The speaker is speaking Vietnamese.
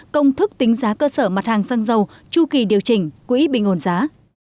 công thức tính giá cơ sở mặt hàng sang giàu chu kỳ điều chỉnh quỹ bình ồn giá